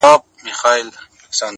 ستا خو صرف خندا غواړم چي تا غواړم،